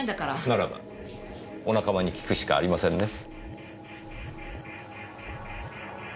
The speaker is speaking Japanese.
ならばお仲間に聞くしかありませんね。